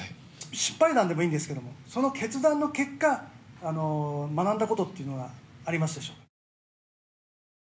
失敗談でもいいんです、その決断の結果学んだことはありますでしょうか？